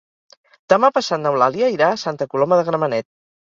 Demà passat n'Eulàlia irà a Santa Coloma de Gramenet.